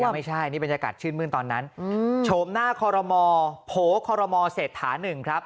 ไม่ใช่นี่บรรยากาศชื่นมื้นตอนนั้นโฉมหน้าคอรมอโผล่คอรมอเศรษฐาหนึ่งครับ